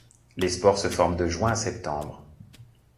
Les spores se forment de juin à septembre.